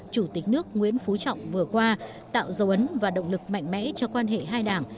chủ tịch nước nguyễn phú trọng vừa qua tạo dấu ấn và động lực mạnh mẽ cho quan hệ hai đảng